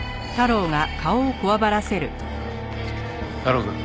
太郎くん。